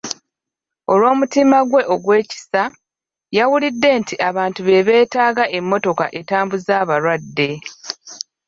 Olw'omutima gwe ogw'ekisa, yawulidde nti abantu be beetaaga emmotoka etambuza abalwadde.